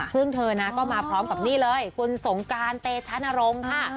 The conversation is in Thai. ซึ่งเธอนะก็มาพร้อมกับนี่เลยคุณสงการเตชะนรงค์ค่ะ